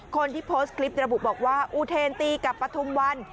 คนที่โพสต์คลิประบุบอกว่าอูเทนตีกับปฐุมวัน